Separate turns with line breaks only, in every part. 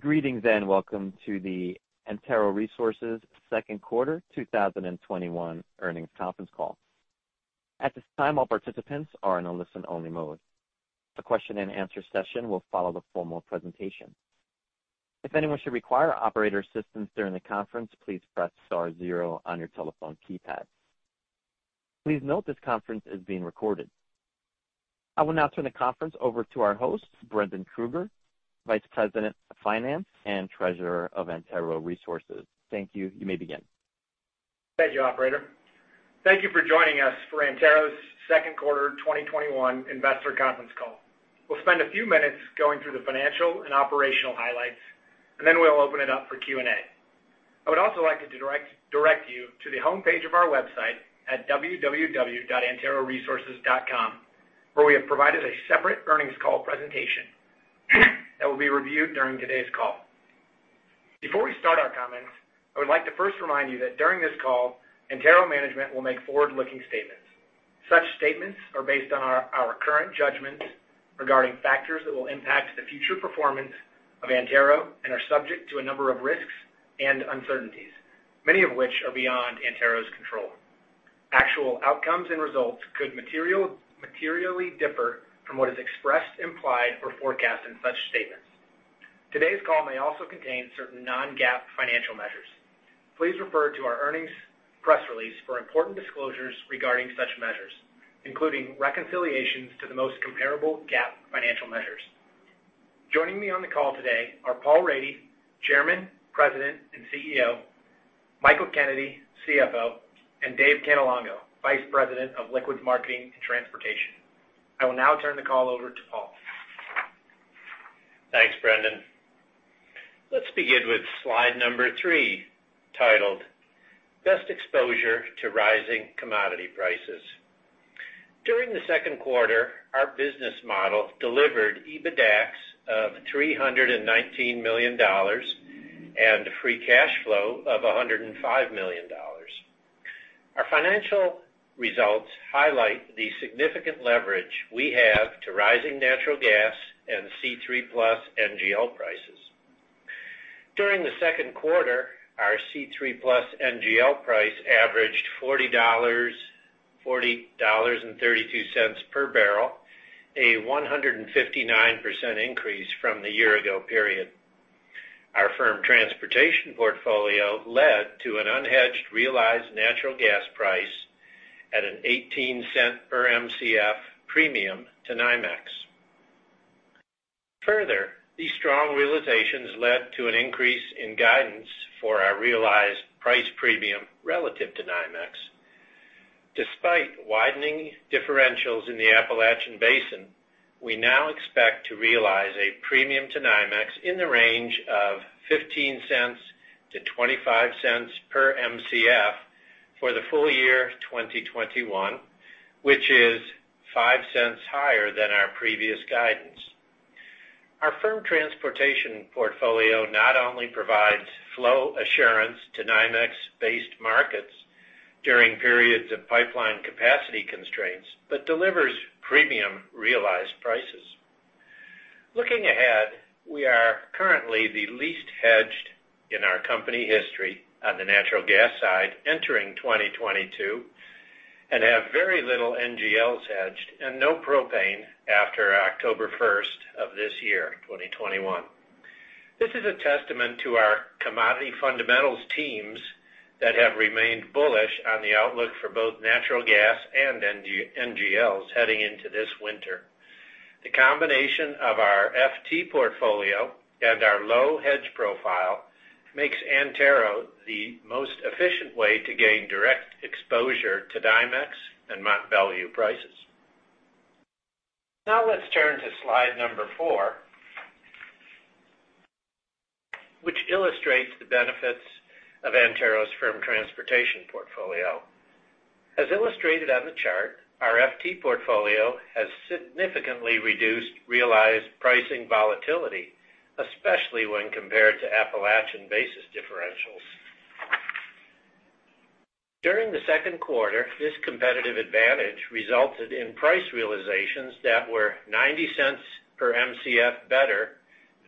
Greetings, and welcome to the Antero Resources Q2 2021 earnings conference call. At this time, all participants are in a listen-only mode. A question and answer session will follow the formal presentation. If anyone should require operator assistance during the conference, please press star zero on your telephone keypad. Please note this conference is being recorded. I will now turn the conference over to our host, Brendan Krueger, Vice President of Finance and Treasurer of Antero Resources. Thank you. You may begin.
Thank you, operator. Thank you for joining us for Antero's Q2 2021 investor conference call. We'll spend a few minutes going through the financial and operational highlights. Then we'll open it up for Q&A. I would also like to direct you to the homepage of our website at www.anteroresources.com, where we have provided a separate earnings call presentation that will be reviewed during today's call. Before we start our comments, I would like to first remind you that during this call, Antero management will make forward-looking statements. Such statements are based on our current judgments regarding factors that will impact the future performance of Antero and are subject to a number of risks and uncertainties, many of which are beyond Antero's control. Actual outcomes and results could materially differ from what is expressed, implied, or forecast in such statements. Today's call may also contain certain non-GAAP financial measures. Please refer to our earnings press release for important disclosures regarding such measures, including reconciliations to the most comparable GAAP financial measures. Joining me on the call today are Paul Rady, Chairman, President, and CEO; Michael Kennedy, CFO; and David Cannelongo, Senior Vice President - Liquids Marketing & Transportation. I will now turn the call over to Paul.
Thanks, Brendan. Let's begin with slide number three, titled Best Exposure to Rising Commodity Prices. During the Q2, our business model delivered EBITDAX of $319 million and free cash flow of $105 million. Our financial results highlight the significant leverage we have to rising natural gas and C3+ NGL prices. During the Q2 our C3+ NGL price averaged $40.32 per barrel, a 159% increase from the year ago period. Our firm transportation portfolio led to an unhedged realized natural gas price at an $0.18 per Mcf premium to NYMEX. Further, these strong realizations led to an increase in guidance for our realized price premium relative to NYMEX. Despite widening differentials in the Appalachian Basin, we now expect to realize a premium to NYMEX in the range of $0.15-$0.25 per Mcf for the full year 2021, which is $0.05 higher than our previous guidance. Our firm transportation portfolio not only provides flow assurance to NYMEX-based markets during periods of pipeline capacity constraints, but delivers premium realized prices. Looking ahead, we are currently the least hedged in our company history on the natural gas side entering 2022 and have very little NGLs hedged and no propane after October 1st of this year, 2021. This is a testament to our commodity fundamentals teams that have remained bullish on the outlook for both natural gas and NGLs heading into this winter. The combination of our FT portfolio and our low hedge profile makes Antero the most efficient way to gain direct exposure to NYMEX and Mont Belvieu prices. Now let's turn to slide number four, which illustrates the benefits of Antero's firm transportation portfolio. As illustrated on the chart, our FT portfolio has significantly reduced realized pricing volatility, especially when compared to Appalachian basis differentials. During the Q2, this competitive advantage resulted in price realizations that were $0.90 per Mcf better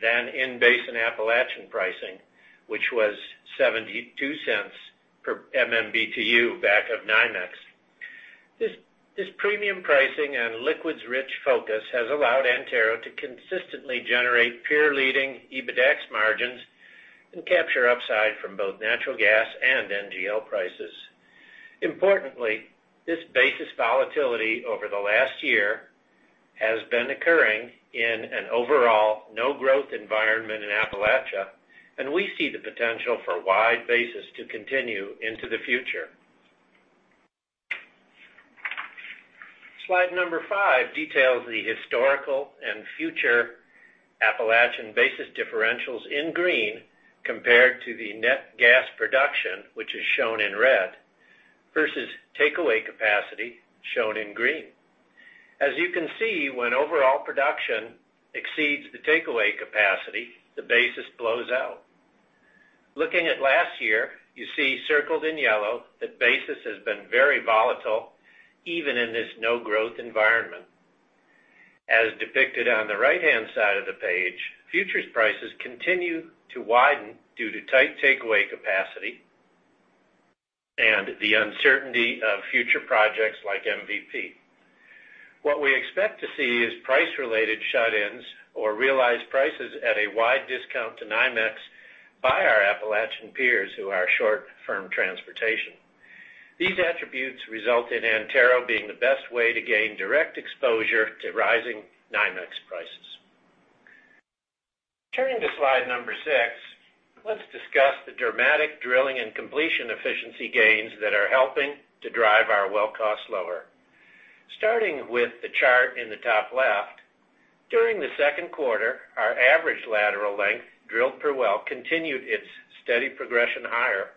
than in-basin Appalachian pricing, which was $0.72 per MMBtu back of NYMEX. This premium pricing and liquids rich focus has allowed Antero to consistently generate peer leading EBITDAX margins and capture upside from both natural gas and NGL prices. Importantly, this basis volatility over the last year has been occurring in an overall no growth environment in Appalachia, and we see the potential for wide basis to continue into the future. Slide number five details the historical and future Appalachian basis differentials in green compared to the net gas production, which is shown in red, versus takeaway capacity, shown in green. As you can see, when overall production exceeds the takeaway capacity, the basis blows out. Looking at last year, you see circled in yellow that basis has been very volatile, even in this no growth environment. As depicted on the right hand side of the page, futures prices continue to widen due to tight takeaway capacity and the uncertainty of future projects like MVP. What we expect to see is price related shut-ins or realized prices at a wide discount to NYMEX by our Appalachian peers who are short firm transportation. These attributes result in Antero being the best way to gain direct exposure to rising NYMEX prices. Turning to slide number six, let's discuss the dramatic drilling and completion efficiency gains that are helping to drive our well cost lower. Starting with the chart in the top left, during the Q2, our average lateral length drilled per well continued its steady progression higher,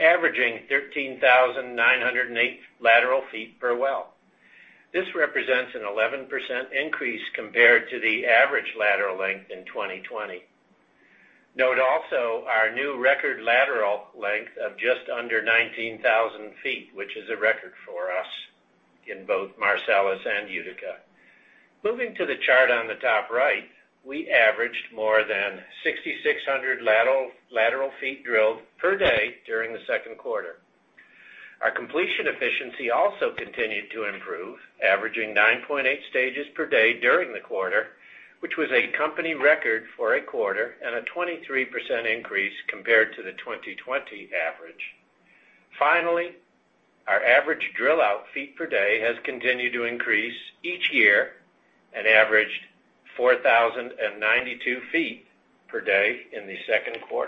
averaging 13,908 lateral feet per well. This represents an 11% increase compared to the average lateral length in 2020. Note also our new record lateral length of just under 19,000 feet, which is a record for us in both Marcellus and Utica. Moving to the chart on the top right, we averaged more than 6,600 lateral feet drilled per day during the Q2. Our completion efficiency also continued to improve, averaging 9.8 stages per day during the quarter, which was a company record for a quarter and a 23% increase compared to the 2020 average. Finally, our average drill out feet per day has continued to increase each year and averaged 4,092 feet per day in the Q2.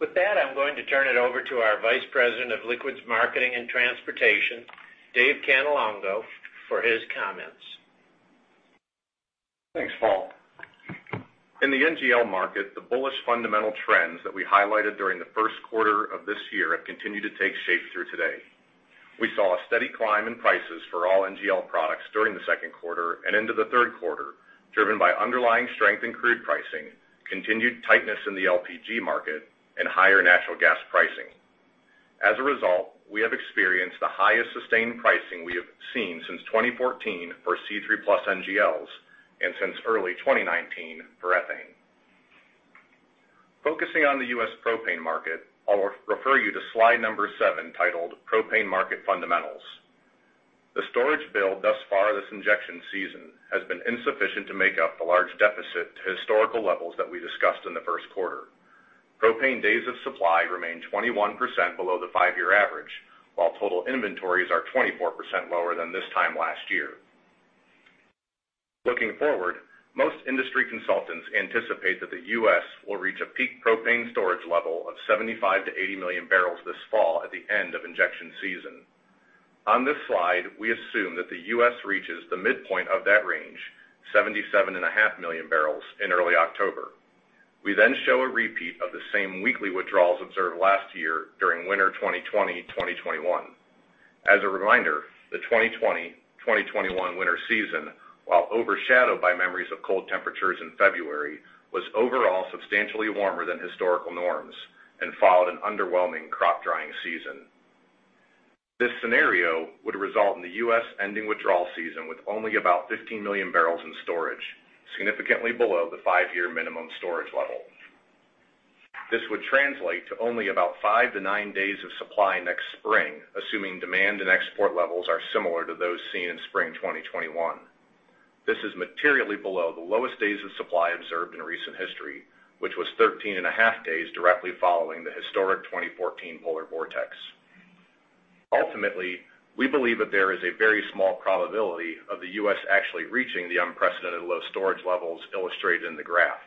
With that, I'm going to turn it over to our Vice President of Liquids Marketing and Transportation, David Cannelongo, for his comments.
Thanks, Paul. In the NGL market, the bullish fundamental trends that we highlighted during the Q1 of this year have continued to take shape through today. We saw a steady climb in prices for all NGL products during the Q2 and into the Q3, driven by underlying strength in crude pricing, continued tightness in the LPG market, and higher natural gas pricing. As a result, we have experienced the highest sustained pricing we have seen since 2014 for C3+ NGLs and since early 2019 for ethane. Focusing on the U.S. propane market, I'll refer you to slide number seven, titled Propane Market Fundamentals. The storage build thus far this injection season has been insufficient to make up the large deficit to historical levels that we discussed in theQ1. Propane days of supply remain 21% below the five year average, while total inventories are 24% lower than this time last year. Looking forward, most industry consultants anticipate that the U.S. will reach a peak propane storage level of 75 million-80 million barrels this fall at the end of injection season. On this slide, we assume that the U.S. reaches the midpoint of that range, 77.5 million barrels, in early October. We then show a repeat of the same weekly withdrawals observed last year during winter 2020-2021. As a reminder, the 2020-2021 winter season, while overshadowed by memories of cold temperatures in February, was overall substantially warmer than historical norms and followed an underwhelming crop drying season. This scenario would result in the U.S. ending withdrawal season with only about 15 million barrels in storage, significantly below the five year minimum storage level. This would translate to only about five - nine days of supply next spring, assuming demand and export levels are similar to those seen in spring 2021. This is materially below the lowest days of supply observed in recent history, which was 13.5 days directly following the historic 2014 polar vortex. Ultimately, we believe that there is a very small probability of the U.S. actually reaching the unprecedented low storage levels illustrated in the graph.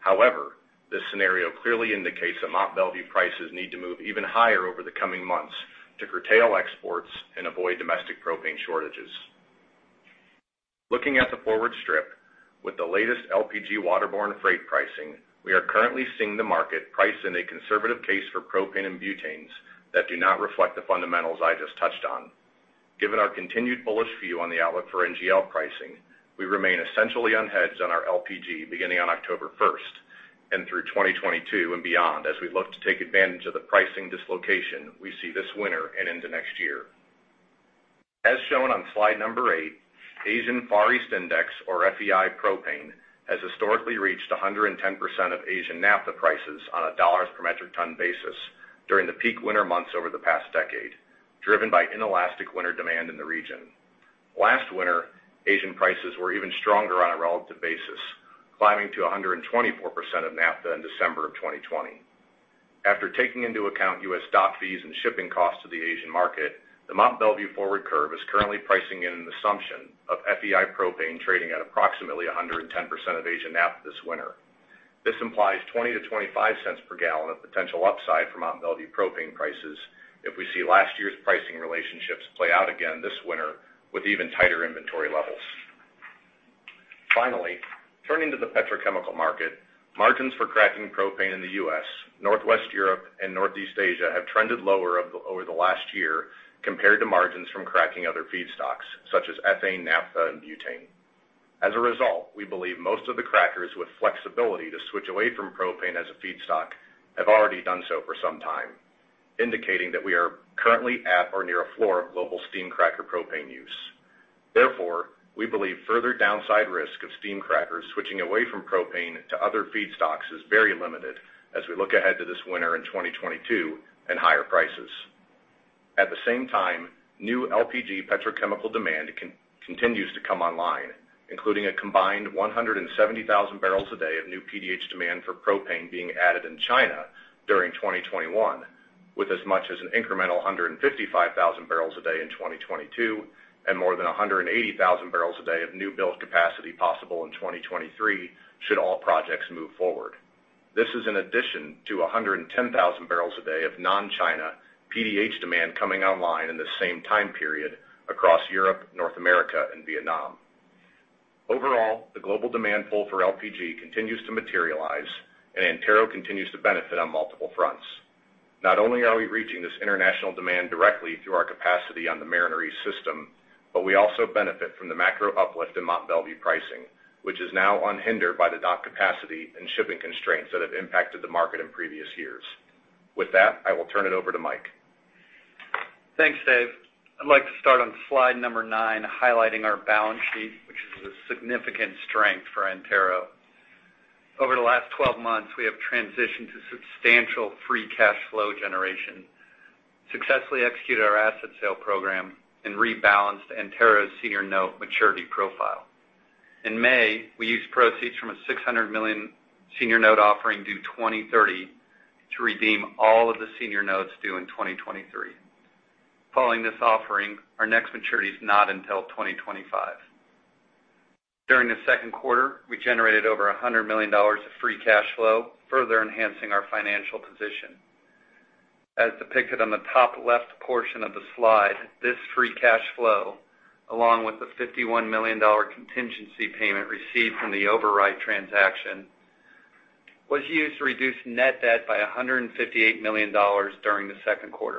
However, this scenario clearly indicates that Mont Belvieu prices need to move even higher over the coming months to curtail exports and avoid domestic propane shortages. Looking at the forward strip with the latest LPG waterborne freight pricing, we are currently seeing the market priced in a conservative case for propane and butanes that do not reflect the fundamentals I just touched on. Given our continued bullish view on the outlook for NGL pricing, we remain essentially unhedged on our LPG beginning on October 1st and through 2022 and beyond, as we look to take advantage of the pricing dislocation we see this winter and into next year. As shown on slide number eight, Asian Far East Index, or FEI propane, has historically reached 110% of Asian naphtha prices on a $ per metric ton basis during the peak winter months over the past decade, driven by inelastic winter demand in the region. Last winter, Asian prices were even stronger on a relative basis, climbing to 124% of naphtha in December of 2020. After taking into account U.S. dock fees and shipping costs to the Asian market, the Mont Belvieu forward curve is currently pricing in an assumption of FEI propane trading at approximately 110% of Asian naphtha this winter. This implies $0.20-$0.25 per gallon of potential upside for Mont Belvieu propane prices if we see last year's pricing relationships play out again this winter with even tighter inventory levels. Finally, turning to the petrochemical market, margins for cracking propane in the U.S., Northwest Europe, and Northeast Asia have trended lower over the last year compared to margins from cracking other feedstocks such as ethane, naphtha, and butane. As a result, we believe most of the crackers with flexibility to switch away from propane as a feedstock have already done so for some time, indicating that we are currently at or near a floor of global steam cracker propane use. Therefore, we believe further downside risk of steam crackers switching away from propane to other feedstocks is very limited as we look ahead to this winter in 2022 and higher prices. At the same time, new LPG petrochemical demand continues to come online, including a combined 170,000 barrels a day of new PDH demand for propane being added in China during 2021, with as much as an incremental 155,000 barrels a day in 2022 and more than 180,000 barrels a day of new build capacity possible in 2023, should all projects move forward. This is in addition to 110,000 barrels a day of non-China PDH demand coming online in the same time period across Europe, North America, and Vietnam. Overall, the global demand pull for LPG continues to materialize, and Antero continues to benefit on multiple fronts. Not only are we reaching this international demand directly through our capacity on the Mariner East system, but we also benefit from the macro uplift in Mont Belvieu pricing, which is now unhindered by the dock capacity and shipping constraints that have impacted the market in previous years. With that, I will turn it over to Michael Kennedy.
Thanks, Dave. I'd like to start on slide number nine, highlighting our balance sheet, which is a significant strength for Antero. Over the last 12 months, we have transitioned to substantial free cash flow generation, successfully executed our asset sale program, and rebalanced Antero's senior note maturity profile. In May, we used proceeds from a $600 million senior note offering due 2030 to redeem all of the senior notes due in 2023. Following this offering, our next maturity is not until 2025. During the Q2, we generated over $100 million of free cash flow, further enhancing our financial position. As depicted on the top left portion of the slide, this free cash flow, along with the $51 million contingency payment received from the override transaction, was used to reduce net debt by $158 million during theQ2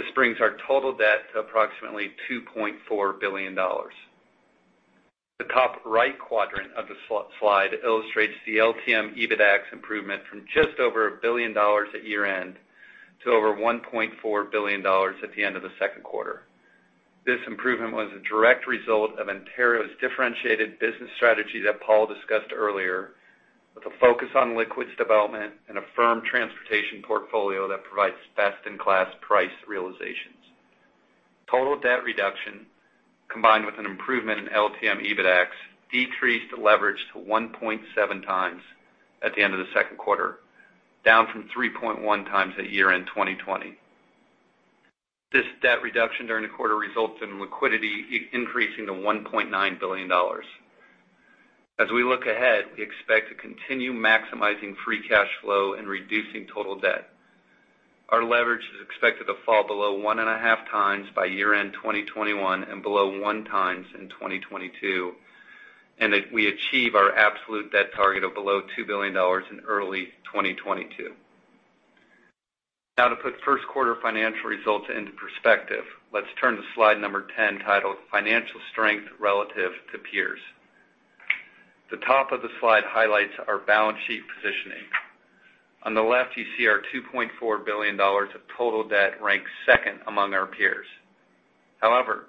This brings our total debt to approximately $2.4 billion. The top right quadrant of the slide illustrates the LTM EBITDAX improvement from just over $1 billion at year-end - over $1.4 billion at the end of the Q2. This improvement was a direct result of Antero's differentiated business strategy that Paul discussed earlier, with a focus on liquids development and a firm transportation portfolio that provides best-in-class price realizations. Total debt reduction, combined with an improvement in LTM EBITDAX, decreased the leverage to 1.7x at the end of the Q2, down from 3.1x at year-end 2020. This debt reduction during the quarter results in liquidity increasing to $1.9 billion. As we look ahead, we expect to continue maximizing free cash flow and reducing total debt. Our leverage is expected to fall below 1.5x by year-end 2021, one time in 2022. That we achieve our absolute debt target of below $2 billion in early 2022. Now to put Q1 financial results into perspective, let's turn to slide number 10, titled Financial Strength Relative to Peers. The top of the slide highlights our balance sheet positioning. On the left, you see our $2.4 billion of total debt ranks second among our peers. However,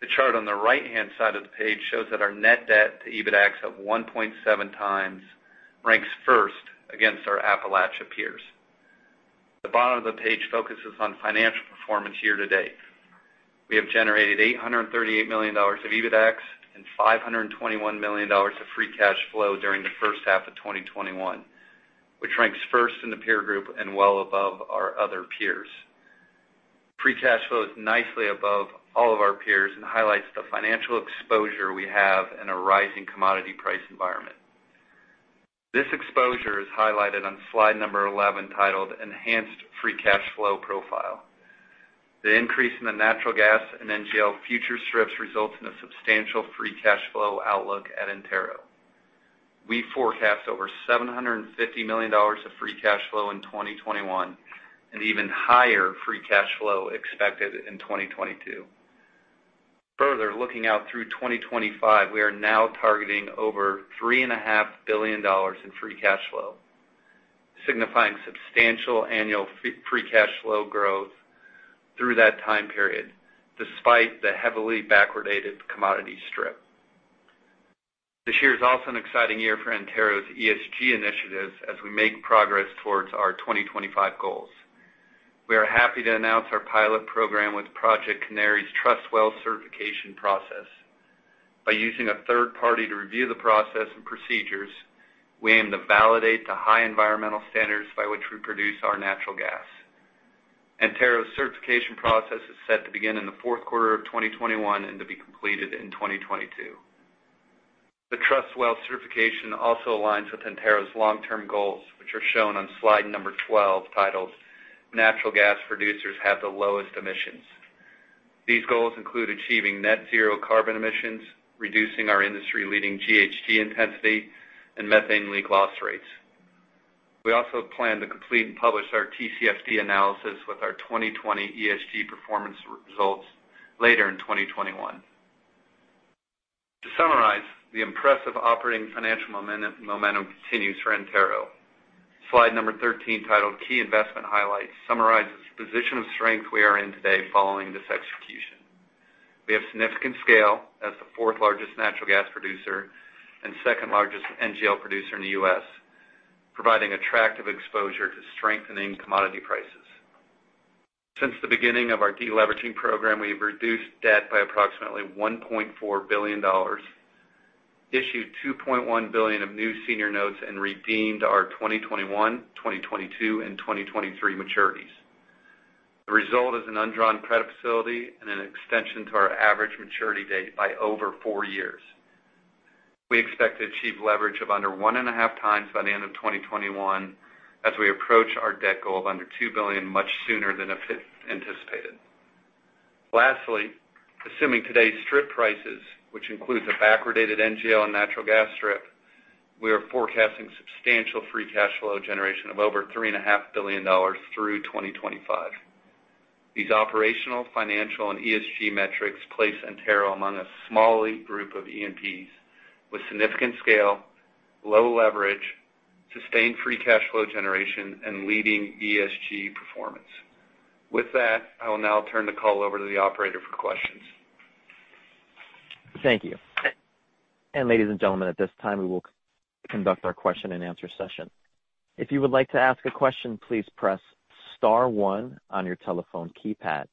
the chart on the right-hand side of the page shows that our net debt to EBITDAX of 1.7x ranks first against our Appalachia peers. The bottom of the page focuses on financial performance year to date. We have generated $838 million of EBITDAX and $521 million of free cash flow during the first half of 2021, which ranks first in the peer group and well above our other peers. Free cash flow is nicely above all of our peers and highlights the financial exposure we have in a rising commodity price environment. This exposure is highlighted on slide number 11, titled Enhanced Free Cash Flow Profile. The increase in the natural gas and NGL future strips results in a substantial free cash flow outlook at Antero. We forecast over $750 million of free cash flow in 2021, and even higher free cash flow expected in 2022. Further, looking out through 2025, we are now targeting over three and a half billion dollars in free cash flow, signifying substantial annual free cash flow growth through that time period, despite the heavily backwardated commodity strip. This year is also an exciting year for Antero's ESG initiatives as we make progress towards our 2025 goals. We are happy to announce our pilot program with Project Canary's TrustWell certification process. By using a third party to review the process and procedures, we aim to validate the high environmental standards by which we produce our natural gas. Antero's certification process is set to begin in the Q4 of 2021 and to be completed in 2022. The TrustWell certification also aligns with Antero's long-term goals, which are shown on slide number 12, titled Natural Gas Producers Have the Lowest Emissions. These goals include achieving net zero carbon emissions, reducing our industry leading GHG intensity, and methane leak loss rates. We also plan to complete and publish our TCFD analysis with our 2020 ESG performance results later in 2021. To summarize, the impressive operating financial momentum continues for Antero. Slide number 13, titled Key Investment Highlights, summarizes the position of strength we are in today following this execution. We have significant scale as the fourth largest natural gas producer and second largest NGL producer in the U.S., providing attractive exposure to strengthening commodity prices. Since the beginning of our de-leveraging program, we've reduced debt by approximately $1.4 billion, issued $2.1 billion of new senior notes, and redeemed our 2021, 2022, and 2023 maturities. The result is an undrawn credit facility and an extension to our average maturity date by over four years. We expect to achieve leverage of under 1.5 times by the end of 2021, as we approach our debt goal of under $2 billion much sooner than anticipated. Lastly, assuming today's strip prices, which includes a backwardated NGL and natural gas strip, we are forecasting substantial free cash flow generation of over $3.5 billion through 2025. These operational, financial, and ESG metrics place Antero among a small elite group of E&Ps with significant scale, low leverage, sustained free cash flow generation, and leading ESG performance. With that, I will now turn the call over to the operator for questions.
Thank you. Ladies and gentlemen, at this time, we will conduct our question and answer session. If you would like to ask a question, please press *1 on your telephone keypad.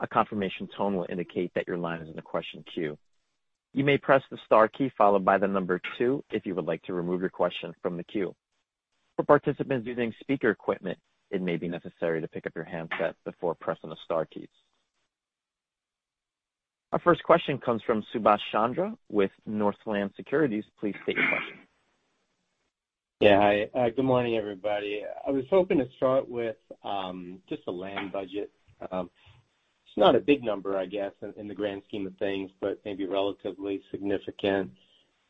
A confirmation tone will indicate that your line is in the question queue. You may press the star key followed by the two if you would like to remove your question from the queue. Participants using speaker equipment, it may be necessary to pick up your handset before pressing the star keys. Our first question comes from Subash Chandra with Northland Securities. Please state your question.
Yeah. Hi. Good morning, everybody. I was hoping to start with just the land budget. It's not a big number, I guess, in the grand scheme of things, but maybe relatively significant.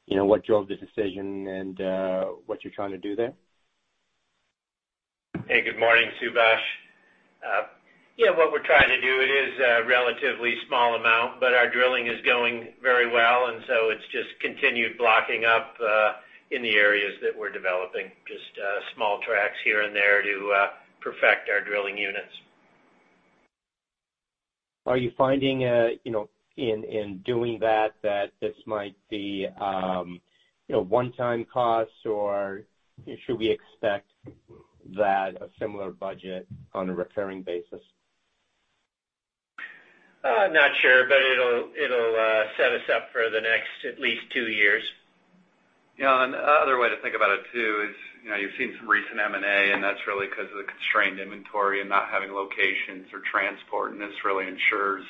What drove the decision and what you're trying to do there?
Hey, good morning, Subash. Yeah, what we're trying to do, it is a relatively small amount. Our drilling is going very well. It's just continued blocking up in the areas that we're developing. Just small tracks here and there to perfect our drilling units.
Are you finding, in doing that this might be one time costs, or should we expect that a similar budget on a recurring basis?
Not sure, but it'll set us up for the next at least two years.
Yeah, another way to think about it too is, you've seen some recent M&A, and that's really because of the constrained inventory and not having locations for transport. This really ensures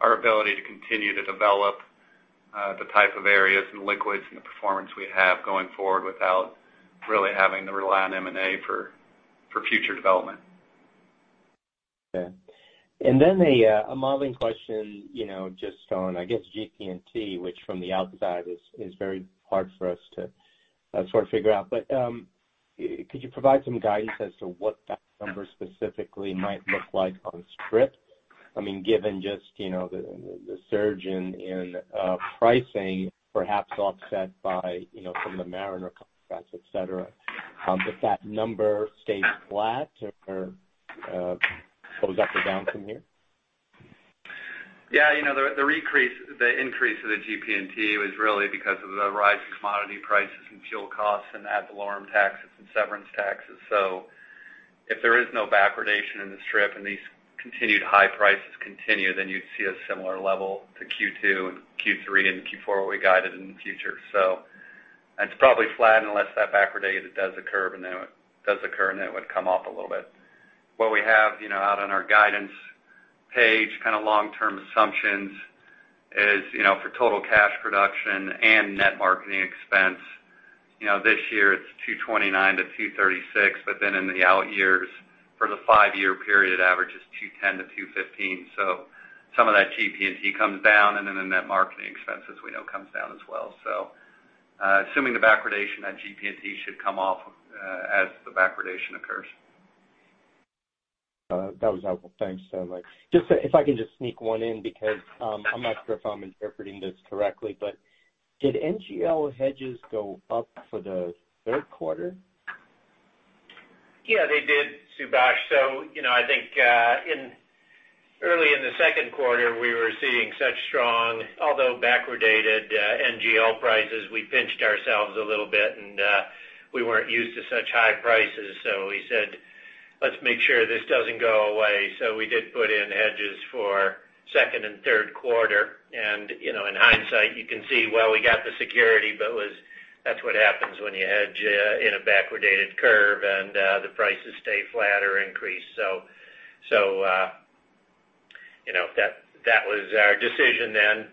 our ability to continue to develop the type of areas and liquids and the performance we have going forward without really having to rely on M&A for future development.
Okay. A modeling question, just on, I guess, GP&T, which from the outside is very hard for us to sort of figure out. Could you provide some guidance as to what that number specifically might look like on strip? Given just the surge in pricing perhaps offset from the Mariner contracts, et cetera. Does that number stay flat or goes up or down from here?
The increase of the GP&T was really because of the rise in commodity prices and fuel costs and ad valorem taxes and severance taxes. If there is no backwardation in the strip and these continued high prices continue, then you'd see a similar level to Q2 and Q3 and Q4 what we guided in the future. It's probably flat unless that backwardation does occur, and then it would come off a little bit. What we have out on our guidance page, long-term assumptions is for total cash production and net marketing expense. This year it's $229-$236, in the out years for the five year period, average is $210-$215. Some of that GP&T comes down, the net marketing expenses we know comes down as well. Assuming the backwardation, that GP&T should come off as the backwardation occurs.
That was helpful. Thanks. If I can just sneak one in, because I'm not sure if I'm interpreting this correctly, but did NGL hedges go up for the Q3?
Yeah, they did, Subash. I think early in the Q2, we were seeing such strong, although backwardated NGL prices. We pinched ourselves a little bit, and we weren't used to such high prices, so we said, "Let's make sure this doesn't go away." We did put in hedges for Q2 and Q3. In hindsight, you can see, well, we got the security, but that's what happens when you hedge in a backwardated curve and the prices stay flat or increase. That was our decision then.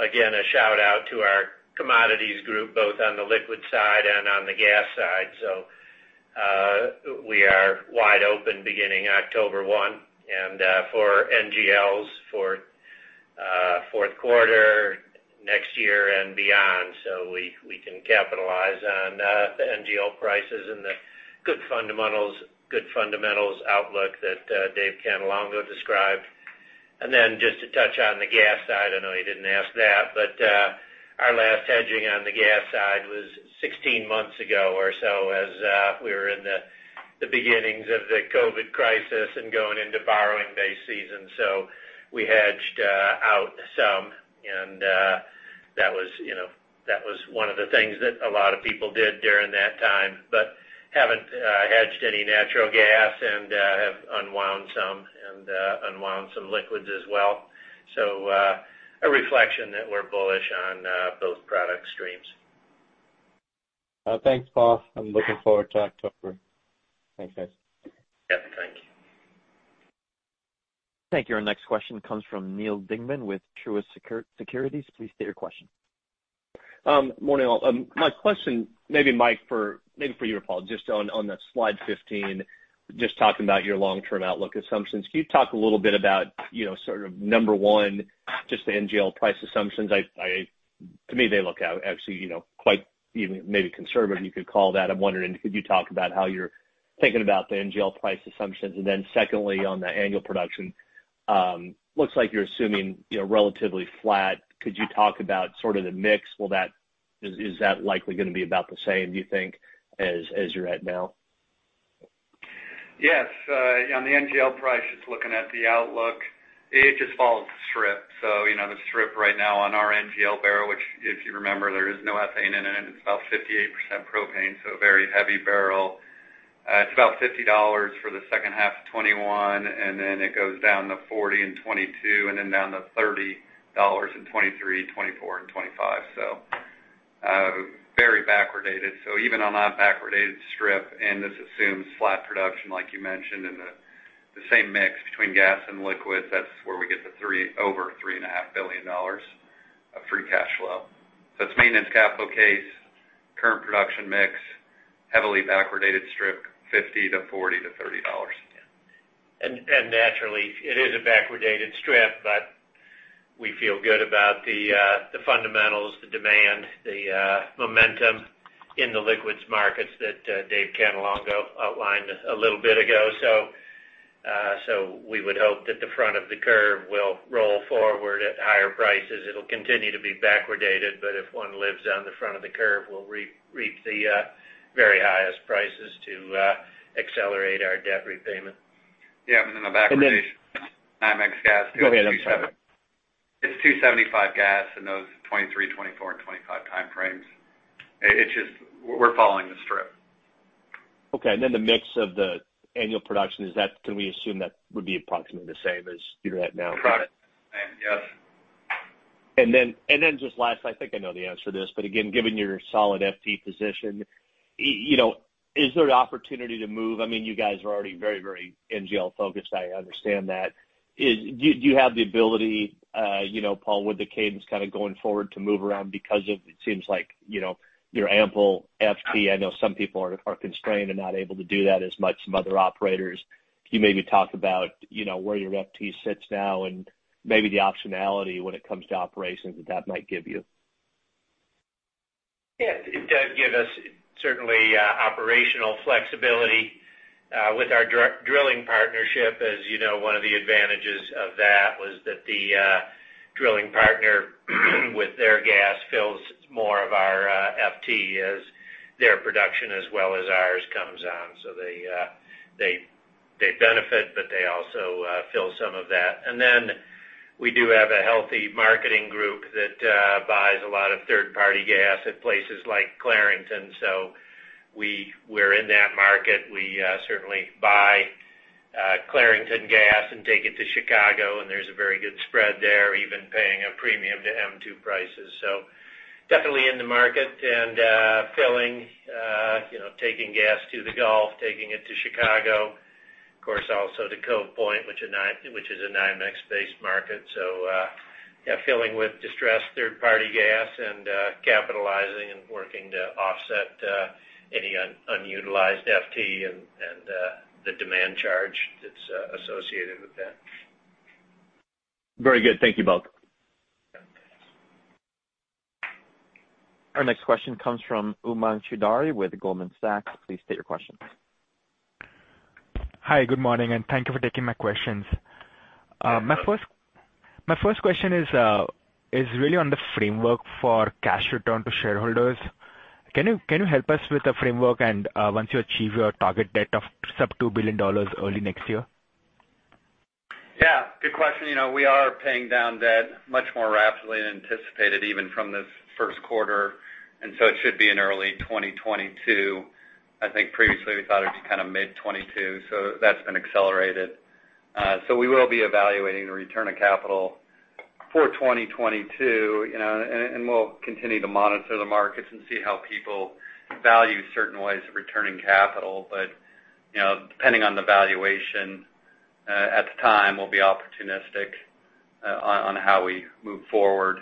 Again, a shout out to our commodities group, both on the liquid side and on the gas side. We are wide open beginning October 1 for NGLs for Q4 year and beyond. We can capitalize on the NGL prices and the good fundamentals outlook that David Cannelongo described. Then just to touch on the gas side, I know you didn't ask that, but our last hedging on the gas side was 16 months ago or so as we were in the beginnings of the COVID crisis and going into borrowing base season. We hedged out some and that was one of the things that a lot of people did during that time, but haven't hedged any natural gas and have unwound some, and unwound some liquids as well. A reflection that we're bullish on both product streams.
Thanks, Paul. I'm looking forward to October. Thanks, guys.
Yeah, thank you.
Thank you. Our next question comes from Neal Dingmann with Truist Securities. Please state your question.
Morning all. My question, maybe Mike for you or Paul, just on that slide 15, just talking about your long-term outlook assumptions. Can you talk a little bit about sort of number one, just the NGL price assumptions? To me, they look out actually, quite even maybe conservative, you could call that. I'm wondering, could you talk about how you're thinking about the NGL price assumptions? Secondly, on the annual production, looks like you're assuming relatively flat. Could you talk about sort of the mix? Is that likely going to be about the same, do you think, as you're at now?
On the NGL price, it's looking at the outlook. It just follows the strip. The strip right now on our NGL barrel, which if you remember, there is no ethane in it. It's about 58% propane, so a very heavy barrel. It's about $50 for the second half of 2021, and then it goes down to $40 in 2022 and then down to $30 in 2023, 2024, and 2025. Very backwardated. Even on that backwardated strip, and this assumes flat production, like you mentioned, and the same mix between gas and liquids. That's where we get the over $3.5 billion of free cash flow. It's maintenance capital case, current production mix, heavily backwardated strip, $50 - $40 - $30.
Naturally, it is a backwardated strip, but we feel good about the fundamentals, the demand, the momentum in the liquids markets that David Cannelongo outlined a little bit ago. We would hope that the front of the curve will roll forward at higher prices. It'll continue to be backwardated, but if one lives on the front of the curve, we'll reap the very highest prices to accelerate our debt repayment.
Yeah. The backwardation NYMEX gas is $2.75 gas in those 2023, 2024, and 2025 time frames. We're following the strip.
Okay. The mix of the annual production, can we assume that would be approximately the same as you're at now?
Product. Same, yes.
Just last, I think I know the answer to this, but again, given your solid FT position, is there an opportunity to move? You guys are already very NGL focused. I understand that. Do you have the ability, Paul, with the cadence kind of going forward to move around because of, it seems like, your ample FT. I know some people are constrained and not able to do that as much, some other operators. Can you maybe talk about where your FT sits now and maybe the optionality when it comes to operations that might give you?
Yes. It does give us certainly operational flexibility with our drilling partnership. As you know, one of the advantages of that was that the drilling partner with their gas fills more of our FT as their production as well as ours comes on. They benefit, but they also fill some of that. We do have a healthy marketing group that buys a lot of third-party gas at places like Clarington. We're in that market. We certainly buy Clarington gas and take it to Chicago, and there's a very good spread there, even paying a premium to M2 prices. Definitely in the market and filling, taking gas to the Gulf, taking it to Chicago, of course, also to Cove Point, which is a NYMEX-based market. Yeah, filling with distressed third party gas and capitalizing and working to offset any unutilized FT and the demand charge that's associated with that.
Very good. Thank you both.
Our next question comes from Umang Choudhary with Goldman Sachs. Please state your question.
Hi, good morning, and thank you for taking my questions. My first question is really on the framework for cash return to shareholders. Can you help us with the framework and once you achieve your target date of sub $2 billion early next year?
Yeah, good question. We are paying down debt much more rapidly than anticipated even from this Q1. It should be in early 2022. I think previously we thought it was kind of mid 2022, that's been accelerated. We will be evaluating the return of capital for 2022. We'll continue to monitor the markets and see how people value certain ways of returning capital. Depending on the valuation at the time, we'll be opportunistic on how we move forward.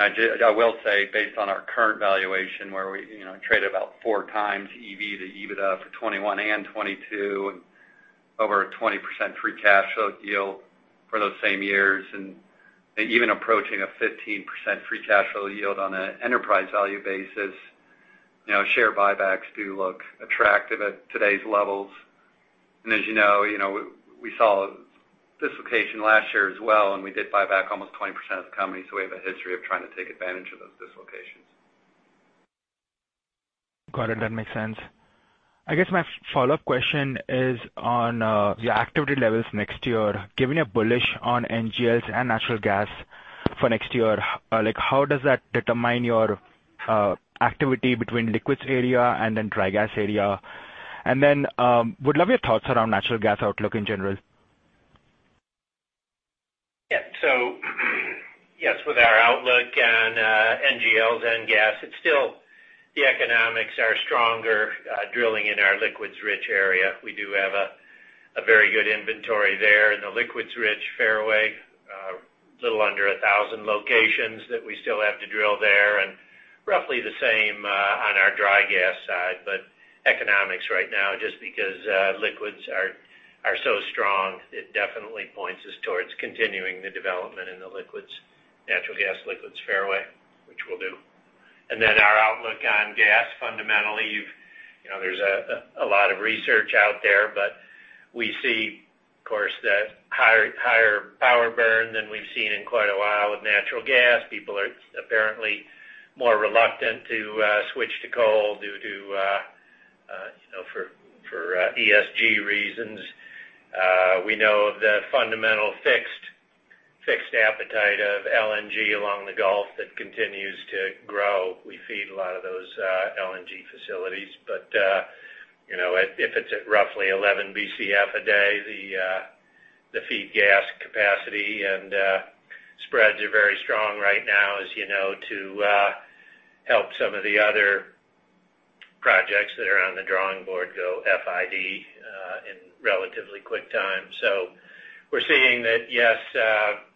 I will say, based on our current valuation, where we trade about 4x EV -EBITDA for 2021 and 2022 and
Over a 20% free cash flow yield for those same years. Even approaching a 15% free cash flow yield on an Enterprise Value basis. Share buybacks do look attractive at today's levels. As you know, we saw dislocation last year as well, we did buy back almost 20% of the company. We have a history of trying to take advantage of those dislocations.
Got it. That makes sense. I guess my follow-up question is on your activity levels next year, given you're bullish on NGLs and natural gas for next year, how does that determine your activity between liquids area and then dry gas area? Would love your thoughts around natural gas outlook in general.
Yeah. Yes, with our outlook on NGLs and gas, it's still the economics are stronger, drilling in our liquids rich area. We do have a very good inventory there in the liquids rich fairway. A little under 1,000 locations that we still have to drill there, and roughly the same on our dry gas side. Economics right now, just because liquids are so strong, it definitely points us towards continuing the development in the natural gas liquids fairway, which we'll do. Our outlook on gas, fundamentally, there's a lot of research out there, but we see, of course, the higher power burn than we've seen in quite a while with natural gas. People are apparently more reluctant to switch to coal for ESG reasons. We know of the fundamental fixed appetite of LNG along the Gulf that continues to grow. We feed a lot of those LNG facilities. If it's at roughly 11 Bcf a day, the feed gas capacity and spreads are very strong right now, you know, to help some of the other projects that are on the drawing board go FID in relatively quick time. We're seeing that, yes,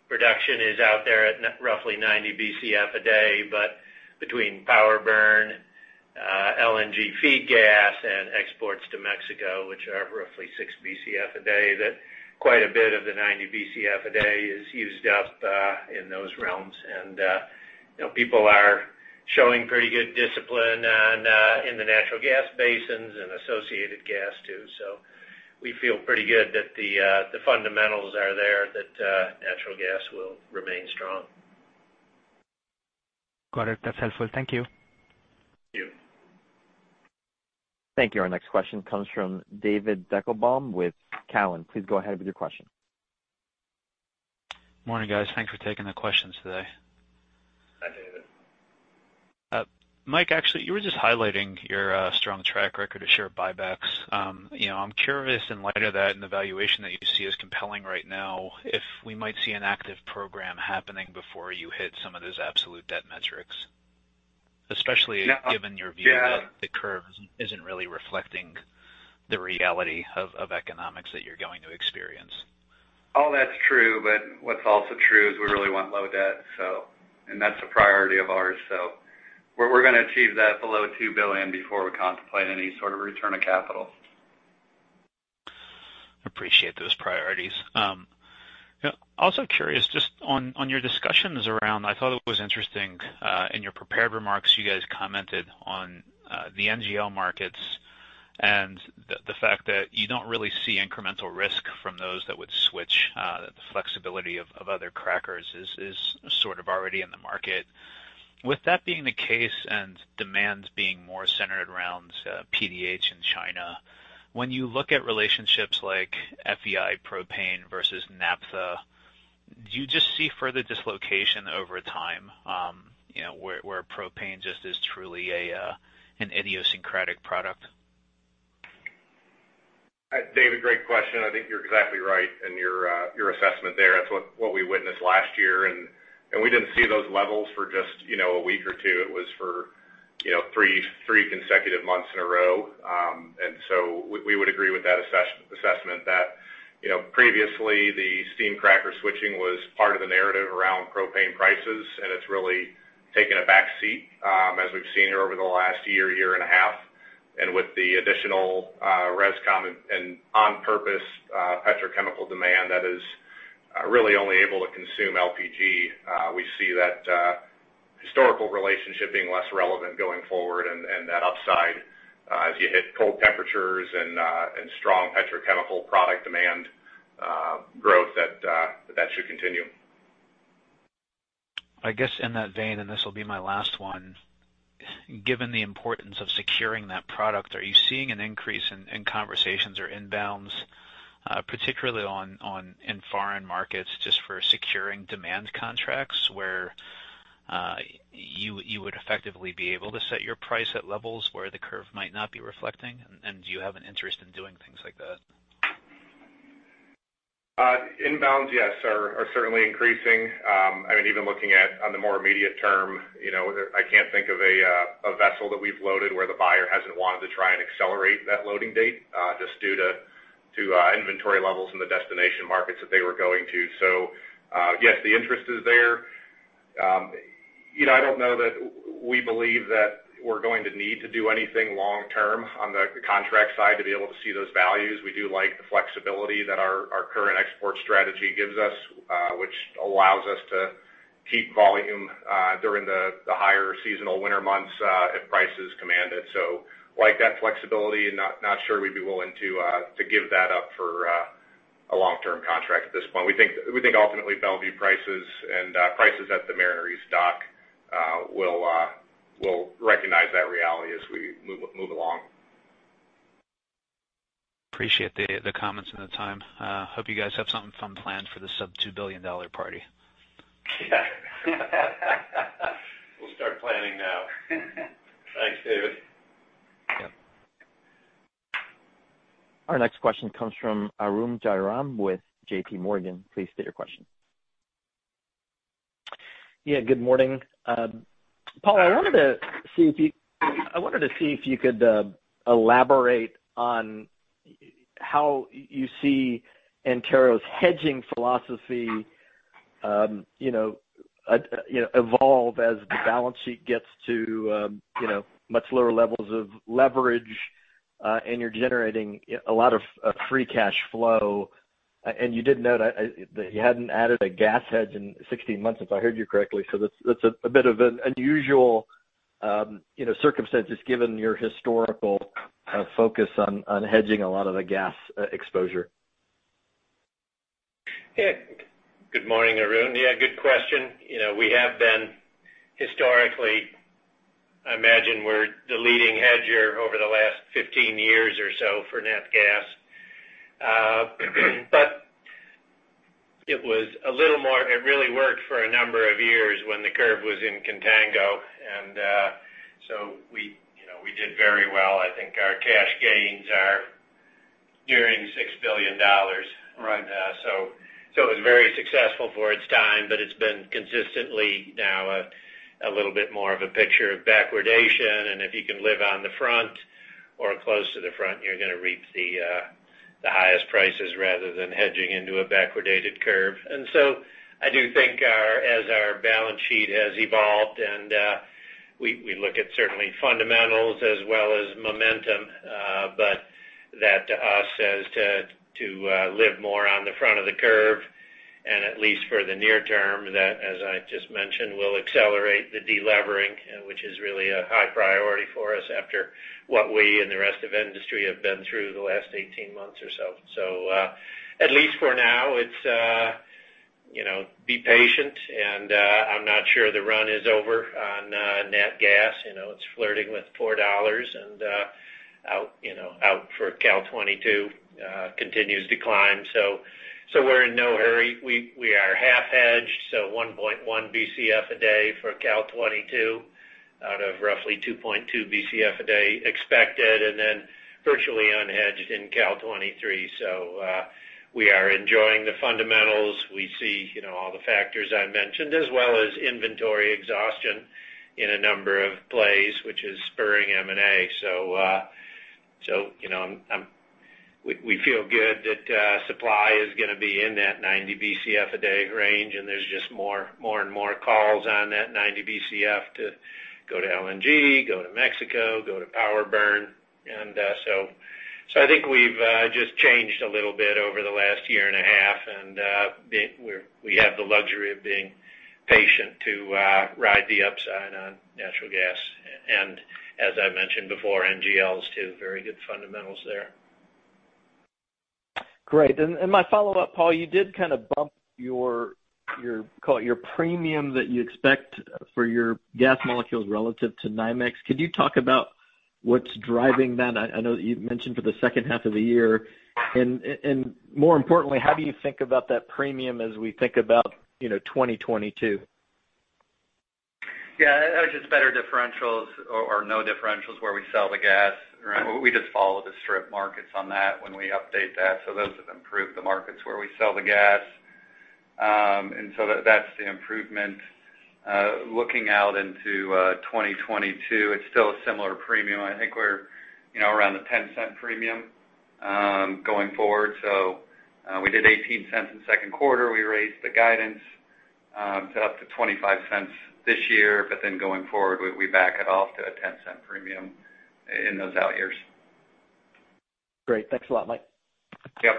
production is out there at roughly 90 Bcf a day, but between power burn, LNG feed gas, and exports to Mexico, which are roughly six Bcf a day, that quite a bit of the 90 Bcf a day is used up in those realms. People are showing pretty good discipline in the natural gas basins and associated gas too. We feel pretty good that the fundamentals are there, that natural gas will remain strong.
Got it. That's helpful. Thank you.
Thank you.
Thank you. Our next question comes from David Deckelbaum with Cowen. Please go ahead with your question.
Morning, guys. Thanks for taking the questions today.
Hi, David.
Mike, actually, you were just highlighting your strong track record of share buybacks. I'm curious, in light of that and the valuation that you see as compelling right now, if we might see an active program happening before you hit some of those absolute debt metrics. Especially given your view that the curve isn't really reflecting the reality of economics that you're going to experience.
All that's true, but what's also true is we really want low debt. That's a priority of ours. We're going to achieve that below $2 billion before we contemplate any sort of return of capital.
Appreciate those priorities. Also curious, just on your discussions around— I thought it was interesting, in your prepared remarks, you guys commented on the NGL markets and the fact that you don't really see incremental risk from those that would switch. The flexibility of other crackers is sort of already in the market. With that being the case and demands being more centered around PDH in China, when you look at relationships like FEI propane versus naphtha, do you just see further dislocation over time where propane just is truly an idiosyncratic product?
David, great question. I think you're exactly right in your assessment there. That's what we witnessed last year, and we didn't see those levels for just a week or two. It was for three consecutive months in a row. We would agree with that assessment that previously the steam cracker switching was part of the narrative around propane prices, and it's really taken a back seat, as we've seen over the last year and a half. With the additional ResCom and on purpose petrochemical demand that is really only able to consume LPG, we see that historical relationship being less relevant going forward, and that upside as you hit cold temperatures and strong petrochemical product demand growth, that should continue.
I guess in that vein. This will be my last one. Given the importance of securing that product, are you seeing an increase in conversations or inbounds, particularly in foreign markets, just for securing demand contracts where you would effectively be able to set your price at levels where the curve might not be reflecting? Do you have an interest in doing things like that?
Inbounds, yes, are certainly increasing. I mean, even looking at on the more immediate term, I can't think of a vessel that we've loaded where the buyer hasn't wanted to try and accelerate that loading date, just due to inventory levels in the destination markets that they were going to. Yes, the interest is there. I don't know that we believe that we're going to need to do anything long-term on the contract side to be able to see those values. We do like the flexibility that our current export strategy gives us, which allows us to keep volume during the higher seasonal winter months if prices command it. Like that flexibility, and not sure we'd be willing to give that up for a long-term contract at this point. We think ultimately Mont Belvieu prices and prices at the Mariner East dock will recognize that reality as we move along.
Appreciate the comments and the time. Hope you guys have something fun planned for the sub-$2 billion party.
We'll start planning now. Thanks, David.
Yeah.
Our next question comes from Arun Jayaram with JPMorgan. Please state your question.
Yeah. Good morning. Paul, I wanted to see if you could elaborate on how you see Antero's hedging philosophy evolve as the balance sheet gets to much lower levels of leverage, and you're generating a lot of free cash flow. You did note that you hadn't added a gas hedge in 16 months, if I heard you correctly. That's a bit of an unusual circumstances given your historical focus on hedging a lot of the gas exposure.
Good morning, Arun. Yeah, good question. I imagine we're the leading hedger over the last 15 years or so for nat gas. It really worked for a number of years when the curve was in contango. We did very well. I think our cash gains are nearing $6 billion.
Right.
It was very successful for its time, but it's been consistently now a little bit more of a picture of backwardation. If you can live on the front or close to the front, you're going to reap the highest prices rather than hedging into a backwardated curve. I do think as our balance sheet has evolved, and we look at certainly fundamentals as well as momentum, but that to us is to live more on the front of the curve, and at least for the near term, that, as I just mentioned, will accelerate the de-levering, which is really a high priority for us after what we and the rest of industry have been through the last 18 months or so. At least for now, it's be patient, and I'm not sure the run is over on nat gas. It's flirting with $4. Out for Cal '22 continues to climb. We're in no hurry. We are half hedged, 1.1 Bcf a day for Cal '22 out of roughly 2.2 Bcf a day expected, virtually unhedged in Cal '23. We are enjoying the fundamentals. We see all the factors I mentioned, as well as inventory exhaustion in a number of plays, which is spurring M&A. We feel good that supply is going to be in that 90 Bcf a day range. There's just more and more calls on that 90 Bcf to go to LNG, go to Mexico, go to power burn. I think we've just changed a little bit over the last year and a half. We have the luxury of being patient to ride the upside on natural gas. As I mentioned before, NGLs too. Very good fundamentals there.
Great. My follow-up, Paul, you did kind of bump your premium that you expect for your gas molecules relative to NYMEX. Could you talk about what's driving that? I know that you mentioned for the second half of the year. More importantly, how do you think about that premium as we think about 2022?
Yeah. That was just better differentials or no differentials where we sell the gas.
Right. We just follow the strip markets on that when we update that. Those have improved the markets where we sell the gas. That's the improvement. Looking out into 2022, it's still a similar premium. I think we're around the $0.10 premium going forward. We did $0.18 in Q2. We raised the guidance to up to $0.25 this year, going forward, we back it off to a $0.10 premium in those out years.
Great. Thanks a lot, Mike.
Yep.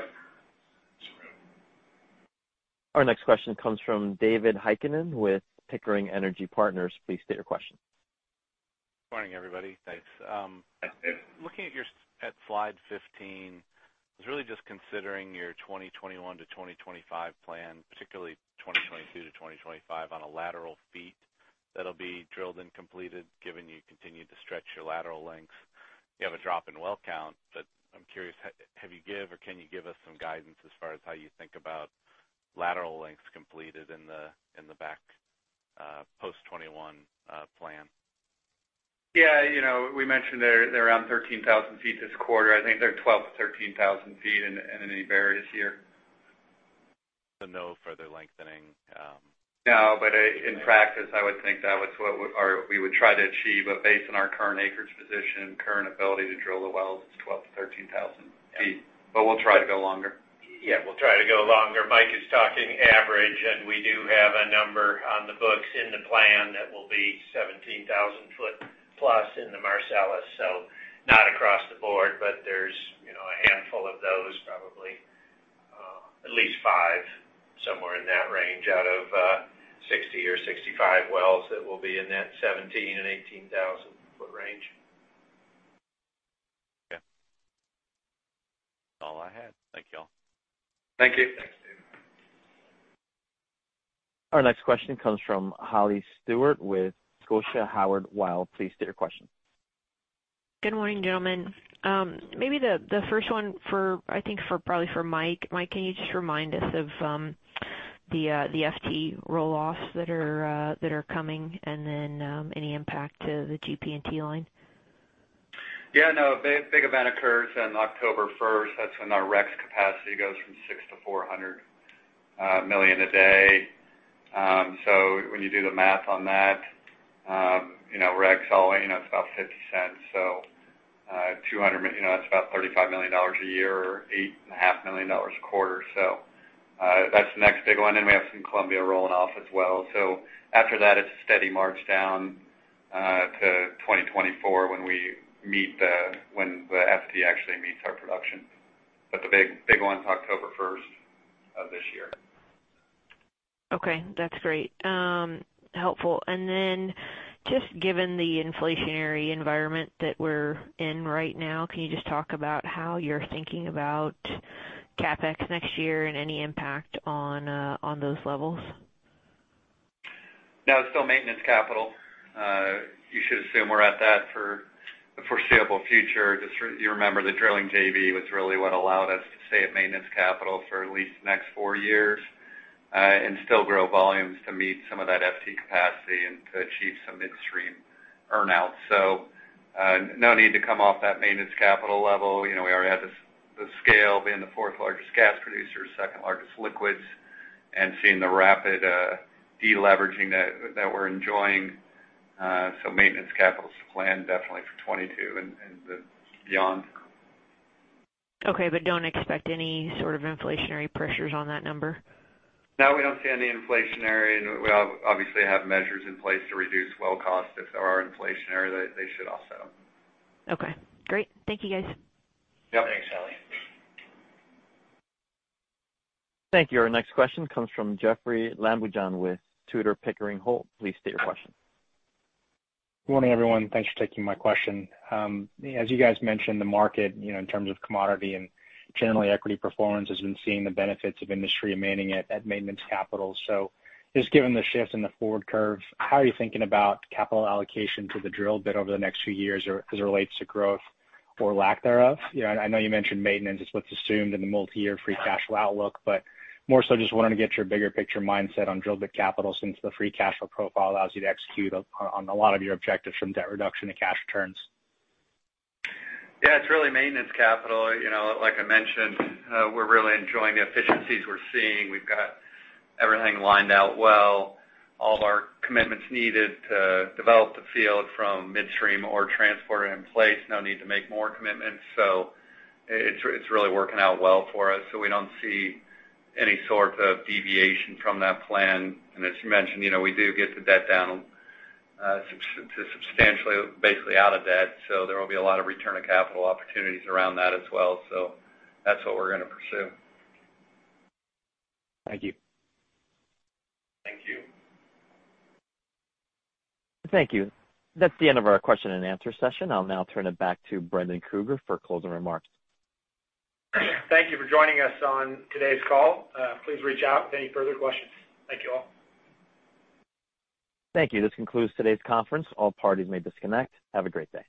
Our next question comes from David Heikkinen with Pickering Energy Partners. Please state your question.
Morning, everybody. Thanks. Looking at slide 15, I was really just considering your 2021-2025 plan, particularly 2022-2025 on a lateral feet that'll be drilled and completed, given you continue to stretch your lateral lengths. You have a drop in well count, but I'm curious, have you give or can you give us some guidance as far as how you think about lateral lengths completed in the back post 2021 plan?
Yeah. We mentioned they're around 13,000 feet this quarter. I think they're 12,000 to 13,000 feet in any area this year.
So no further lengthening-
No, in practice, I would think that was what we would try to achieve, but based on our current acreage position, current ability to drill the wells, it's 12,000 - 13,000 feet. We'll try to go longer. Yeah, we'll try to go longer. Mike is talking average, and we do have a number on the books in the plan that will be 17,000 foot plus in the Marcellus. Not across the board, but there's a handful of those, probably at least five, somewhere in that range, out of 60 or 65 wells that will be in that 17 and 18,000 foot range.
Okay. All I had. Thank you all.
Thank you. Thanks, David.
Our next question comes from Holly Stewart with Scotia Howard Weil. Please state your question.
Good morning, gentlemen. Maybe the first one, I think probably for Mike. Mike, can you just remind us of the FT roll-offs that are coming, and then any impact to the GP&T line?
Yeah, no. Big event occurs on October 1st. That's when our REX capacity goes from 6 - 400 million a day. When you do the math on that, REX, it's about $0.50. That's about $35 million a year, or $8.5 million a quarter. We have some Columbia rolling off as well. After that, it's a steady march down to 2024 when the FT actually meets our production. The big one's October 1st of this year.
Okay, that's great. Helpful. Just given the inflationary environment that we're in right now, can you just talk about how you're thinking about CapEx next year and any impact on those levels?
No, it's still maintenance capital. You should assume we're at that for the foreseeable future. You remember the drilling JV was really what allowed us to stay at maintenance capital for at least the next four years, and still grow volumes to meet some of that FT capacity and to achieve some midstream earn-out. No need to come off that maintenance capital level. We already have the scale, being the fourth largest gas producer, second largest liquids, and seeing the rapid de-leveraging that we're enjoying. Maintenance capital's the plan definitely for 2022 and beyond.
Okay, don't expect any sort of inflationary pressures on that number?
No, we don't see any inflationary, and we obviously have measures in place to reduce well cost. If there are inflationary, they should offset them.
Okay, great. Thank you guys.
Yep. Thanks, Holly.
Thank you. Our next question comes from Jeoffrey Lambujon with Tudor, Pickering, Holt. Please state your question.
Good morning, everyone. Thanks for taking my question. As you guys mentioned, the market, in terms of commodity and generally equity performance, has been seeing the benefits of industry remaining at maintenance capital. Just given the shift in the forward curve, how are you thinking about capital allocation to the drill bit over the next few years as it relates to growth or lack thereof? I know you mentioned maintenance is what's assumed in the multi-year free cash flow outlook, but more so just wanted to get your bigger picture mindset on drill bit capital since the free cash flow profile allows you to execute on a lot of your objectives from debt reduction to cash returns.
It's really maintenance capital. Like I mentioned, we're really enjoying the efficiencies we're seeing. We've got everything lined out well. All of our commitments needed to develop the field from midstream are transported and in place. No need to make more commitments. It's really working out well for us. We don't see any sort of deviation from that plan. As you mentioned, we do get the debt down to substantially, basically out of debt. There will be a lot of return of capital opportunities around that as well. That's what we're going to pursue.
Thank you.
Thank you.
Thank you. That is the end of our question and answer session. I will now turn it back to Brendan Krueger for closing remarks.
Thank you for joining us on today's call. Please reach out with any further questions. Thank you all.
Thank you. This concludes today's conference. All parties may disconnect. Have a great day.